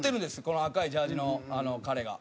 この赤いジャージーの彼が。